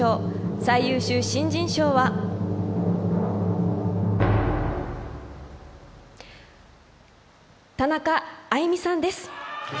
最優秀新人賞は田中あいみさんです。